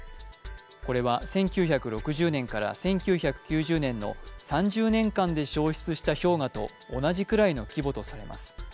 これは１９６０年から１９９０年の３９年間で消失した氷河と同じくらいの規模とされます。